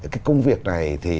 cái công việc này